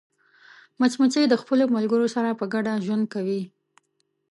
مچمچۍ د خپلو ملګرو سره په ګډه ژوند کوي